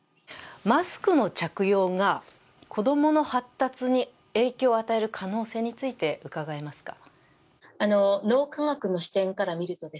マスクの着用が子供の発達に影響を与える可能性について伺えますか？